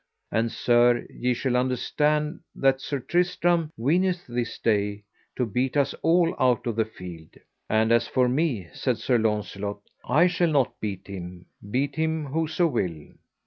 And sir, ye shall understand that Sir Tristram weeneth this day to beat us all out of the field. And as for me, said Sir Launcelot, I shall not beat him, beat him whoso will.